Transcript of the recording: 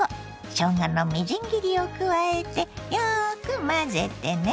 しょうがのみじん切りを加えてよく混ぜてね。